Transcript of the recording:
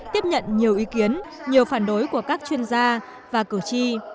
tiếp nhận nhiều ý kiến nhiều phản đối của các chuyên gia và cử tri